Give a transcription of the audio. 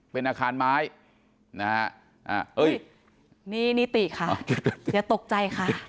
เป็นอาคารไม้นะฮะเอ้ยนี่นิติค่ะอย่าตกใจค่ะ